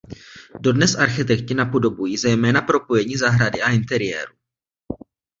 Dodnes architekti napodobují zejména propojení zahrady a interiéru.